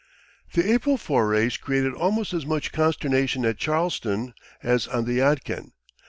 The April forays created almost as much consternation at Charleston as on the Yadkin.